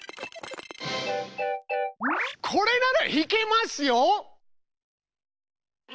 これならひけますよ！